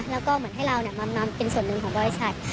แล้วก็เหมือนให้เรามาเป็นส่วนหนึ่งของบริษัท